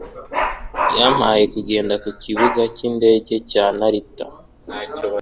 Yampaye kugenda ku kibuga cy'indege cya Narita.